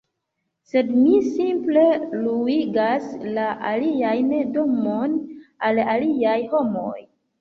sed mi simple luigas la alian domon al aliaj homoj